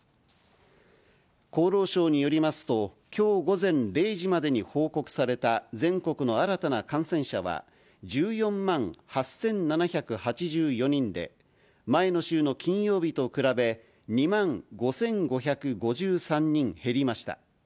厚労省によりますと、きょう午前０時までに報告された全国の新たな感染者は、１４万８７８４人で、前の週の金曜日と比べ２万５５５３人減りました。